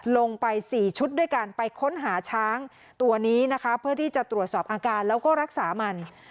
ลงไป๔ชุดด้วยการไปค้นหาช้างตัวนี้นะคะเพื่อที่จะตรวจสอบอาการแล้วก็รักษามัน